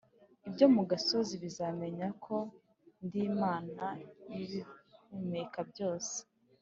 Ibyo mu gasozi bizamenya ko ndimana yibihumeka byose